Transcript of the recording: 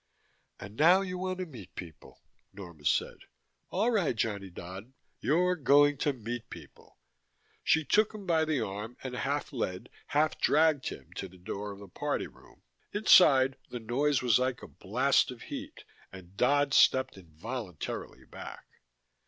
"And now you want to meet people," Norma said. "All right, Johnny Dodd you're going to meet people!" She took him by the arm and half led, half dragged him to the door of the party room. Inside, the noise was like a blast of heat, and Dodd stepped involuntarily back.